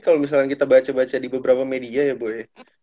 kalau misalnya kita baca baca di beberapa media ya bu ya